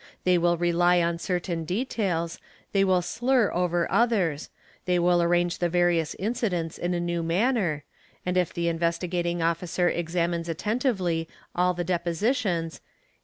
They will rely on certain details, they will slur over thers, they will arrange the various incidents in a new manner, and if the Investigating Officer examines attentively all the depositions he a?